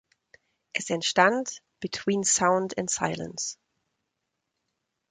Es entstand "between sound and silence.